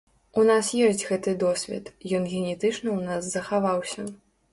У нас ёсць гэты досвед, ён генетычна ў нас захаваўся.